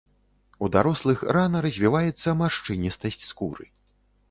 У дарослых рана развіваецца маршчыністасць скуры.